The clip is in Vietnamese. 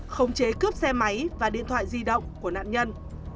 khống chế cướp xe máy và điện thoại di động của nạn nhân